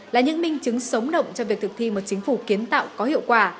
là những minh chứng sống động cho việc thực thi một chính phủ kiến tạo có hiệu quả